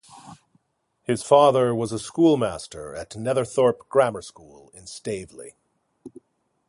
His father was a school master at Netherthorpe Grammar School in Staveley.